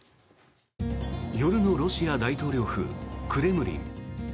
夜のロシア大統領府クレムリン。